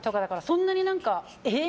そんなに、えー！